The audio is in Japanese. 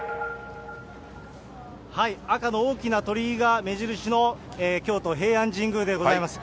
赤の大きな鳥居が目印の、京都・平安神宮でございます。